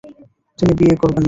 তিনি বিয়ে করবেন না।